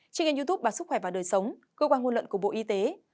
trên kênh youtube bản sức khỏe và đời sống cơ quan hôn lận của bộ y tế